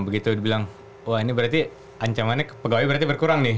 begitu dibilang wah ini berarti ancamannya pegawai berarti berkurang nih